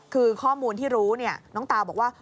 คือข้อมูลที่รู้น้องตาบอกว่า